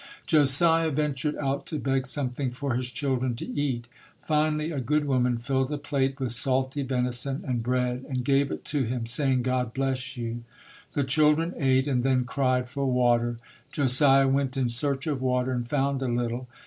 Josiah ven tured out to beg something for his children to eat. Finally a good woman filled a plate with salty JOSIAH HENSON [ 203 venison and bread and gave it to him, saying, "God bless you". 1 The children ate and then cried for water. Josiah went in search of water and found a little.